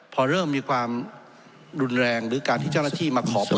พอเริ่มมีความรุนแรงหรือการที่เจ้าหน้าที่มาขอพร